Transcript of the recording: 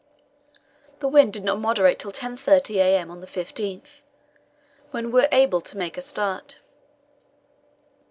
The wind did not moderate till 10.30 a.m. on the 15th, when we were able to make a start.